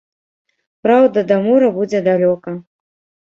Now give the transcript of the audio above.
Праўда, да мора будзе далёка.